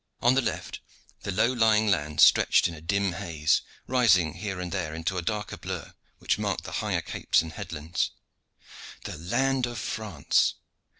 On the left the low lying land stretched in a dim haze, rising here and there into a darker blur which marked the higher capes and headlands. The land of France!